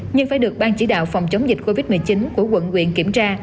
nhưng phải được ban chỉ đạo phòng chống dịch covid một mươi chín của quận quyện kiểm tra